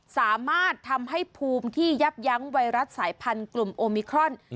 สามารถทำให้ภูมิที่ยับยั้งไวรัสสายพันธุ์กลุ่มโอมิครอน